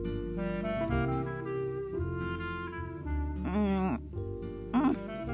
うんうん。